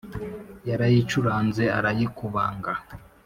yarayicuranze arayikubanga